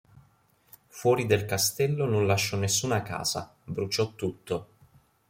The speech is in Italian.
Fuori del castello non lasciò nessuna casa, bruciò tutto.